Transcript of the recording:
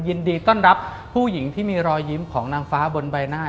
ยินดีต้อนรับผู้หญิงที่มีรอยยิ้มของนางฟ้าบนใบหน้า